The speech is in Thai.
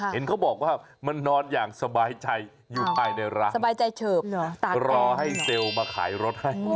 เห็นเขาบอกว่ามันนอนอย่างสบายใจอยู่ภายในร้านรอให้เซลล์มาขายรถให้